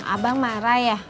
abang marah ya